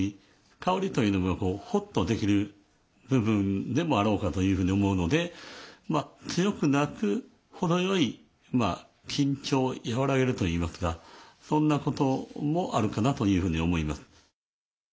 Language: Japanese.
香りというのがほっとできる部分でもあろうかというふうに思うので強くなく程よいまあ緊張を和らげるといいますかそんなこともあるかなというふうに思います。